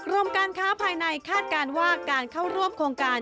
กรมการค้าภายในคาดการณ์ว่าการเข้าร่วมโครงการ